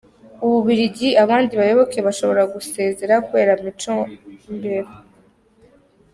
U Bubiligi Abandi bayoboke bashobora gusezera kubera Micombero